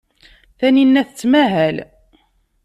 Taninna tettmahal.